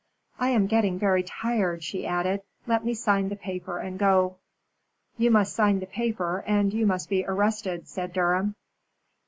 I am getting very tired," she added. "Let me sign the paper and go." "You must sign the paper, and you must be arrested," said Durham.